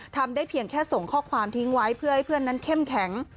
ทำได้เพียงแค่ส่งข้อความทิ้งไว้เพื่อให้เพื่อนนั้นเข้มแข็ง